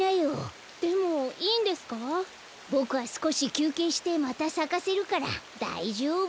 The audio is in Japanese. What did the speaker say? ボクはすこしきゅうけいしてまたさかせるからだいじょうぶ。